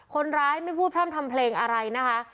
คนร้ายไม่พูดพร่ำทำเพลงอะไรนะคะ